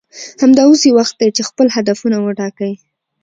همدا اوس یې وخت دی چې خپل هدفونه وټاکئ